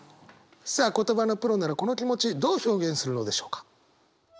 さあ言葉のプロならこの気持ちどう表現するのでしょうか？